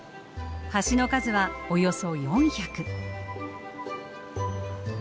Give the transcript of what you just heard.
橋の数はおよそ４００。